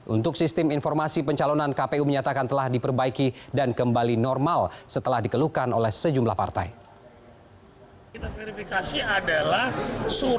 untuk sistem informasi pencalonan kpu menyatakan telah diperbaiki dan kembali normal setelah dikeluhkan oleh sejumlah partai